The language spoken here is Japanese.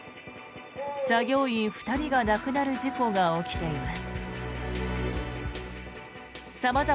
作業員２人が亡くなる事故が起きています。